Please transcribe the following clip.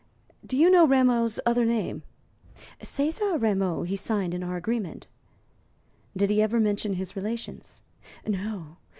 "Do you know Rameau's other name?" "César Rameau he signed in our agreement." "Did he ever mention his relations?" "No.